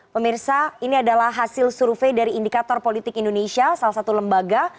pemirsa ini adalah hasil survei dari indikator politik indonesia salah satu lembaga